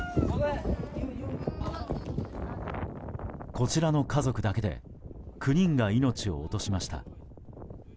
こちらの家族だけで９人が命を落としました。